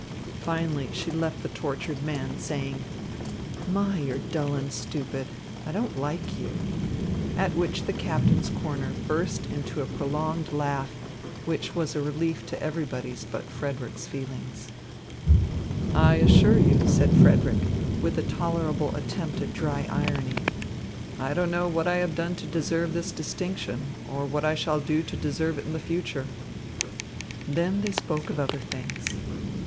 Finally, she left the tortured man, saying: "My, you're dull and stupid! I don't like you." At which the captain's corner burst into a prolonged laugh, which was a relief to everybody's but Frederick's feelings. "I assure you," said Frederick, with a tolerable attempt at dry irony, "I don't know what I have done to deserve this distinction, or what I shall do to deserve it in the future." Then they spoke of other things.